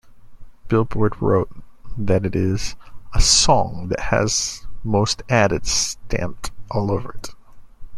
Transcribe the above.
"Billboard" wrote that it is "a song that has most-added stamped all over it.